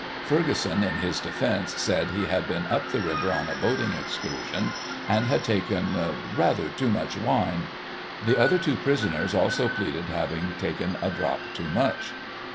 Ferguson, in his defence, said he had been up the river on a boating excursion, and had taken " rather too much wine." The other two prisoners also pleaded having taken a drop too much.